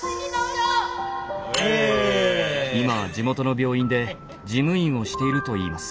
今は地元の病院で事務員をしているといいます。